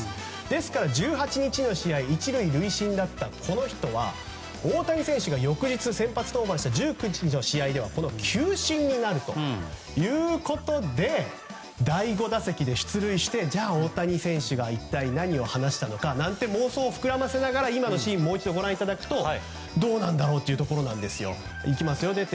ですから、１８日の試合１塁塁審だったこの人は大谷選手が翌日先発した１９日の試合ではこの球審になるということで第５打席で出塁してじゃあ、大谷選手が一体何を話したのかなんて妄想を膨らませながら今のシーンをもう一度ご覧いただくとどうなんだろうということなんですよ。